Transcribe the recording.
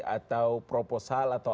atau proposal atau